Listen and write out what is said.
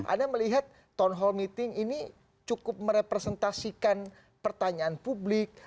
anda melihat town hall meeting ini cukup merepresentasikan pertanyaan publik